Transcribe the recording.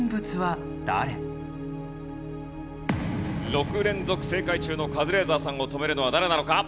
６連続正解中のカズレーザーさんを止めるのは誰なのか？